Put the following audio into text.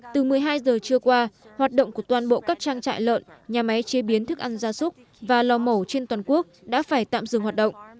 từ một mươi hai giờ trưa qua hoạt động của toàn bộ các trang trại lợn nhà máy chế biến thức ăn gia súc và lò mổ trên toàn quốc đã phải tạm dừng hoạt động